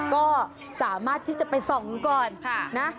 ก็สามารถที่จะไปส่องดูก่อนนะ